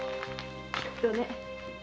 きっとね。